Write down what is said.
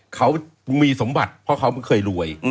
เขามีสมบัติเพราะเขาไม่เคยรวย